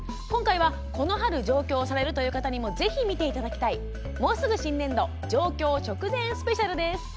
今回は、この春上京されるという方にもぜひ見ていただきたい「もうすぐ新年度！上京直前スペシャル」です。